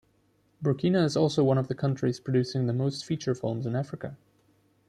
Burkina is also one of the countries producing the most feature films in Africa.